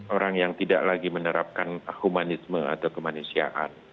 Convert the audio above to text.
orang yang tidak lagi menerapkan humanisme atau kemanusiaan